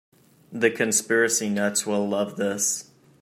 The conspiracy nuts will love this.